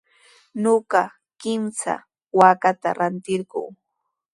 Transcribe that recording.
Ñuqa kimsa waakata rantirquu.